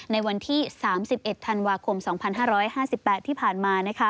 ในวันที่๓๑ธันวาคม๒๕๕๘ที่ผ่านมา